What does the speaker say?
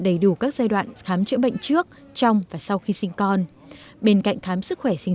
đầy đủ các giai đoạn khám chữa bệnh trước trong và sau khi sinh con bên cạnh khám sức khỏe sinh